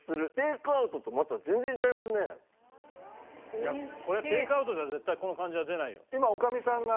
いやこれテイクアウトじゃ絶対この感じは出ないよ。